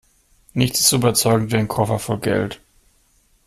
Nichts ist so überzeugend wie ein Koffer voll Geld.